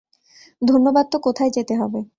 ধন্যবাদ তো কোথায় যেতে হবে?